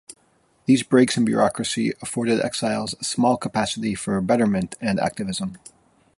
These breaks in bureaucracy afforded exiles a small capacity for betterment and activism.